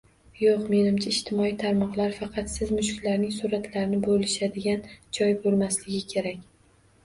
Yoʻq! Menimcha, ijtimoiy tarmoqlar faqat siz mushuklarning suratlarini boʻlishadigan joy boʻlmasligi kerak